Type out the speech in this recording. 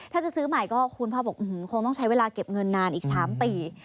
ถ้าจะซื้อใหม่ก็คุณภาพบอกคงต้องใช้เวลาเก็บเงินนานอีก๓ปี